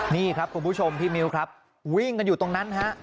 นี่ครับคุณผู้ชมพี่มิวครับวิ่งกันอยู่ตรงนั้นฮะ